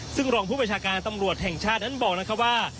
ซึ่งรองผู้ประชาการตำรวจแห่งชาตินั้นบอกนะครับว่า